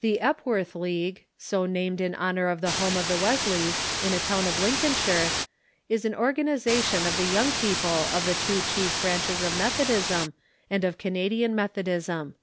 The Epworth League, so named in honor of the home of the Wesleys in a town of Lincolnshire, is an organization of the young people of the two chief branches of Meth odism, and of Canadian Methodism.